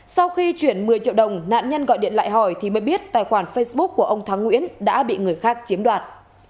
sau khi chuyển một mươi triệu đồng nạn nhân gọi điện lại hỏi thì mới biết tài khoản facebook của ông thắng nguyễn đã bị người khác chiếm đoạt